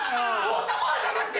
男は黙って。